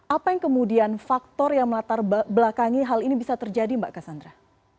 apa yang kemudian faktor yang melatar belakangi hal ini bisa terjadi mbak cassandra